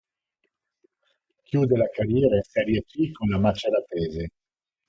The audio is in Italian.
Chiude la carriera in Serie C con la Maceratese.